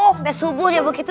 sampai subuh dia begitu